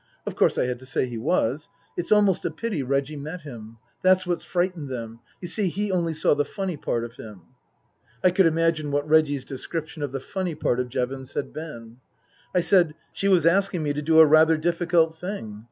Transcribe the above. Of course I had to say he was. It's almost a pity Reggie met him. That's what's frightened them. You see, he only saw the funny part of him." (I could imagine what Reggie's description of the funny part of Jevons had been.) I said, she was asking me to do a rather difficult thing.